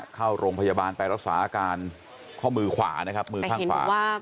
เข้าโรงพยาบาลไปรักษาอาการข้อมือขวานะครับมือข้างขวา